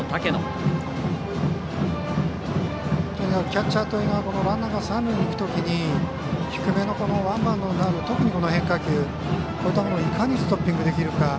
キャッチャーというのはランナーが三塁に行く時に低めのワンバウンドになる変化球こういったものをいかにストッピングできるか。